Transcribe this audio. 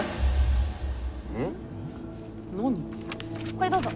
これどうぞ。